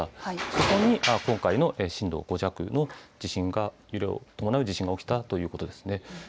そこに今回の震度５弱の地震が、揺れを伴う地震が起きたということですね。